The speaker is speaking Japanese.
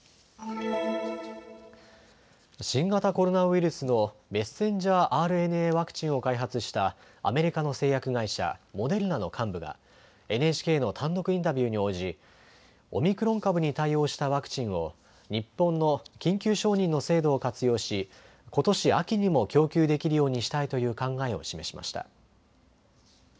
新型コロナウイルスのｍＲＮＡワクチンを開発したアメリカの製薬会社、モデルナの幹部がＮＨＫの単独インタビューに応じオミクロン株に対応したワクチンを日本の緊急承認の制度を活用し、ことし秋にも供給できるようにしたいという考えを示しました。